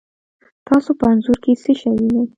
تاسو په انځور کې څه شی وینئ؟